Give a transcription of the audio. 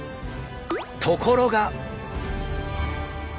ところが！